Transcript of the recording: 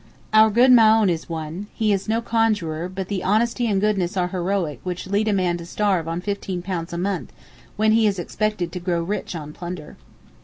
Our good Maōhn is one; he is no conjuror, but the honesty and goodness are heroic which lead a man to starve on £15 a month, when he is expected to grow rich on plunder.